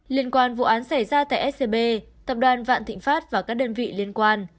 liên quan vụ án xảy ra tại scb tập đoàn vạn thịnh pháp và các đơn vị liên quan